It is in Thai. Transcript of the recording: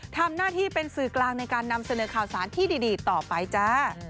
ทำหน้าที่เป็นสื่อกลางในการนำเสนอข่าวสารที่ดีต่อไปจ้า